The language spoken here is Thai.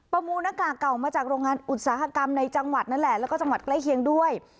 มูลหน้ากากเก่ามาจากโรงงานอุตสาหกรรมในจังหวัดนั่นแหละแล้วก็จังหวัดใกล้เคียงด้วย